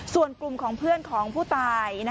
ส่วนกลุ่มของเพื่อนของผู้ตาย